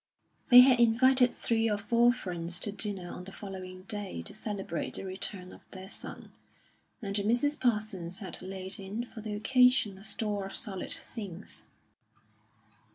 They had invited three or four friends to dinner on the following day to celebrate the return of their son, and Mrs. Parsons had laid in for the occasion a store of solid things.